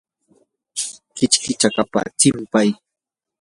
kichki chakapa tsinpay.